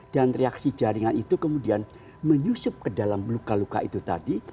dan reaksi jaringan itu kemudian menyusup ke dalam luka luka itu tadi